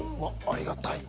ありがたい。